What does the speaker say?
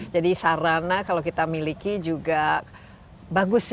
jadi sarana kalau kita miliki juga bagus ya